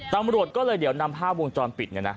ตำรวจก็เลยเดี๋ยวนำภาพวงจรปิด